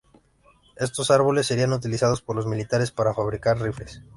Estos árboles serían utilizados por los militares para fabricar rifles.